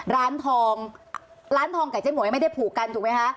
ร้านทองร้านทองกับเจ๊หวยไม่ได้ผูกกันถูกไหมคะ